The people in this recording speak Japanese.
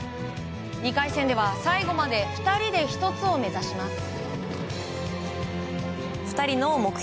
２回戦では、最後まで２人で１つを目指します。